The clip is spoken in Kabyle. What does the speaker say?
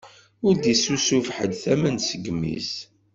Ur d-issusuf ḥedd tament seg imi-s.